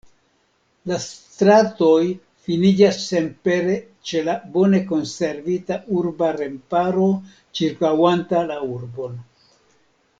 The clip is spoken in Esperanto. La stratoj finiĝas senpere ĉe la bone konservita urba remparo ĉirkaŭanta la urbon.